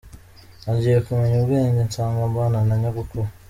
Nagiye kumenya ubwenge, nsanga mbana na nyogokuru .